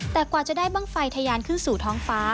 แต่กว่าจะได้บ้างไฟทะยานขึ้นสู่ท้องฟ้า